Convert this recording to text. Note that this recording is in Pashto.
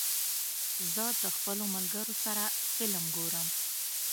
زه د خپلو ملګرو سره فلم ګورم.